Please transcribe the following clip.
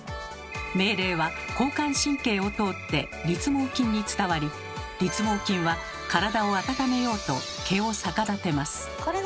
命令は交感神経を通って立毛筋に伝わり立毛筋は体をあたためようと毛を逆立てます。